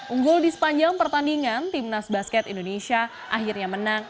unggul di sepanjang pertandingan timnas basket indonesia akhirnya menang